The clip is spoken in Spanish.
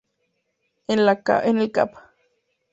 En el cap.